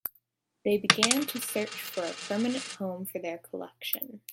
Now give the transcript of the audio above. They began to search for a permanent home for their collection.